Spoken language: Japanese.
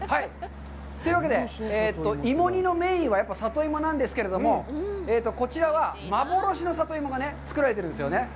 というわけで、芋煮のメインは里芋なんですけれども、こちらは幻の里芋が作られているんですよね。